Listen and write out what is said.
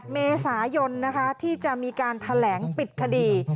เมษายนที่จะมีการแถลงปิดคดี